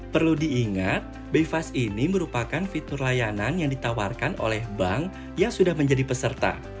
perlu diingat by fast ini merupakan fitur layanan yang ditawarkan oleh bank yang sudah menjadi peserta